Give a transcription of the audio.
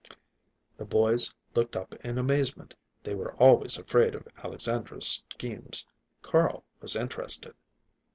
The boys looked up in amazement; they were always afraid of Alexandra's schemes. Carl was interested.